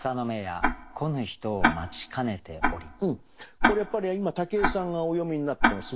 これやっぱり今武井さんがお読みになったのすごくよくて。